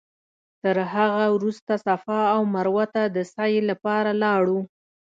تر هغه وروسته صفا او مروه ته د سعې لپاره لاړو.